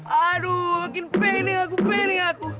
aduh makin pening aku pening aku